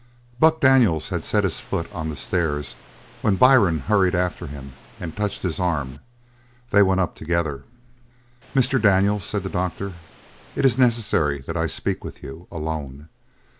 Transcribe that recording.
Buck Daniels had set his foot on the stairs when Byrne hurried after him and touched his arm; they went up together. "Mr. Daniels," said the doctor, "it is necessary that I speak with you, alone.